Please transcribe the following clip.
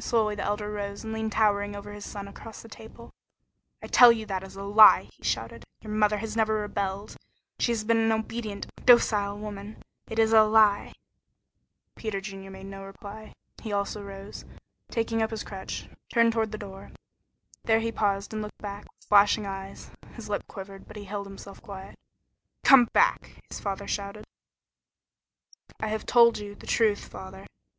Slowly the Elder rose and leaned towering over his son across the table. "I tell you that is a lie!" he shouted. "Your mother has never rebelled. She has been an obedient, docile woman. It is a lie!" Peter Junior made no reply. He also rose, and taking up his crutch, turned toward the door. There he paused and looked back, with flashing eyes. His lip quivered, but he held himself quiet. "Come back!" shouted his father. "I have told you the truth, father."